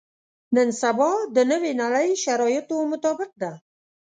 نن سبا د نوې نړۍ شرایطو مطابق ده.